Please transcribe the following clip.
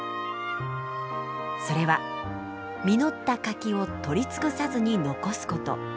それは実った柿を採り尽くさずに残すこと。